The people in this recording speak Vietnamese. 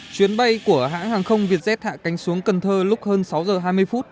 chuyến bay của hãng hàng không vietjet hạ cánh xuống cần thơ lúc hơn sáu giờ hai mươi phút